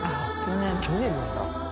去年なんだ。